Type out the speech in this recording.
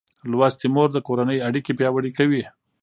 لوستې مور د کورنۍ اړیکې پیاوړې کوي.